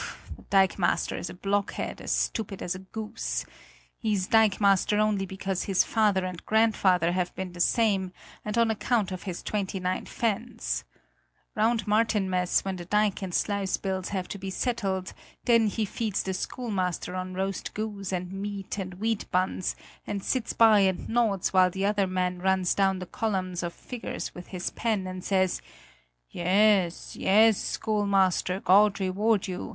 "The dikemaster is a blockhead, as stupid as a goose! He is dikemaster only because his father and grandfather have been the same, and on account of his twenty nine fens. Round Martinmas, when the dike and sluice bills have to be settled, then he feeds the schoolmaster on roast goose and mead and wheat buns, and sits by and nods while the other man runs down the columns of figures with his pen, and says: 'Yes, yes, schoolmaster, God reward you!